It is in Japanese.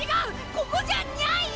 ここじゃニャい！